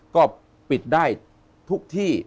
ก็ปิดได้ทุกที่